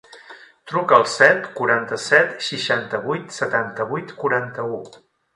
Truca al set, quaranta-set, seixanta-vuit, setanta-vuit, quaranta-u.